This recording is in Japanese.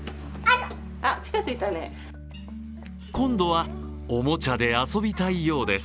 今度は、おもちゃで遊びたいようです。